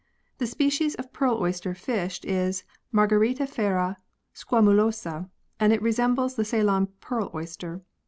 The species of pearl oyster fished is Margaritifera squamulosa, and it resembles the Ceylon pearl oyster.